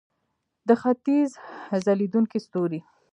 د ختیځ ځلیدونکی ستوری.